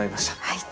はい！